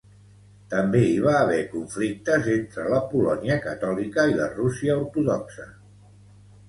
També hi va haver conflictes entre la Polònia catòlica i la Rússia ortodoxa.